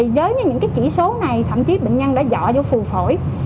với những chỉ số này thậm chí bệnh nhân đã dọa vô phù phổi